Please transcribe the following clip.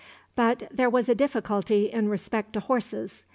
But there was a difficulty in respect to horses.